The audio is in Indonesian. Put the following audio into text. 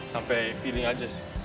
sampai feeling aja